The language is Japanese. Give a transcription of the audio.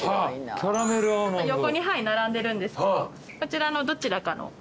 横に並んでるんですがこちらのどちらかのおこし。